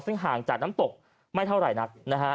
ซึ่งห่างจากน้ำตกไม่เท่าไหร่นักนะฮะ